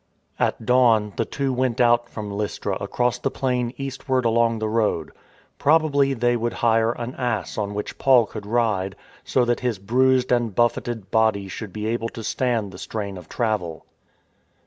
At dawn, the two went out from Lystra across the plain eastward along the road. Probably they would hire an ass on which Paul could ride, so that his bruised and buffeted body should be able to stand the strain of travel.